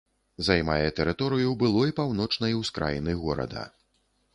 Займае тэрыторыю былой паўночнай ускраіны горада.